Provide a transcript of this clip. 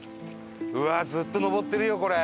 うわっずっと上ってるよこれ。